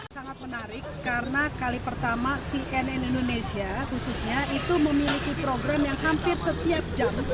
sangat menarik karena kali pertama cnn indonesia khususnya itu memiliki program yang hampir setiap jam